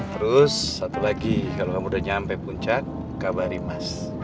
terus satu lagi kalo kamu udah nyampe puncak kabarin mas